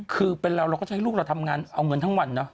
คือเป็นเราเราก็จะให้ลูกเราทำงานเอาเงินทั้งวันเนอะ